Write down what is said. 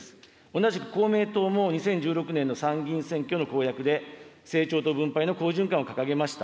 同じく公明党も、２０１６年の参議院選挙の公約で、成長と分配の好循環を掲げました。